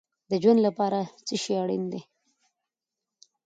د ژوند لپاره څه شی اړین دی؟